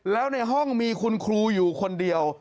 แล้วในห้องมีคุณครูอยู่คนเดียว